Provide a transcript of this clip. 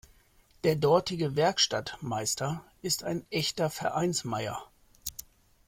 Der dortige Werkstattmeister ist ein echter Vereinsmeier.